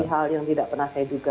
hal yang tidak pernah saya duga